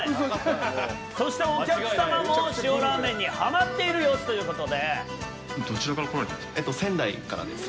そして、お客様も塩ラーメンにハマっている様子ということで。